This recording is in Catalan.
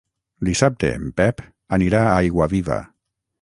Dissabte en Pep anirà a Aiguaviva.